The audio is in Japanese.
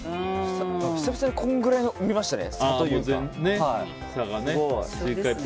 久々にこのくらいの差を見ましたね。